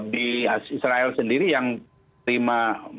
di israel sendiri yang terima